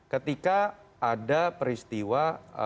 ketika ada peristiwa